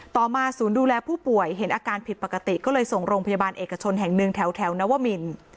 มาศูนย์ดูแลผู้ป่วยเห็นอาการผิดปกติก็เลยส่งโรงพยาบาลเอกชนแห่งหนึ่งแถวนวมิน